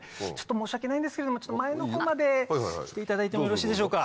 申し訳ないんですけど前のほうまで来ていただいてもよろしいでしょうか。